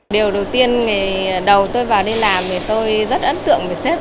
điều đầu tiên đầu tôi vào đây làm thì tôi rất ấn tượng về sếp